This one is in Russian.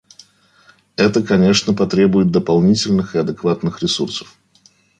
Это, конечно, потребует дополнительных и адекватных ресурсов.